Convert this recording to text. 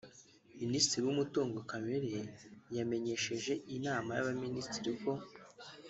Minisitiri w’Umutungo Kamere yamenyesheje Inama y’Abaminisitiri ko